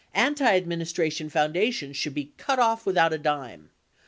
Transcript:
Antiadmin istration foundations should be cut off without a dime.